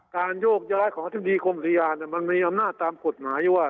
การโยกย้ายของอธิบดีกรมศรียาเนี่ยมันมีอำนาจตามกฎหมายว่า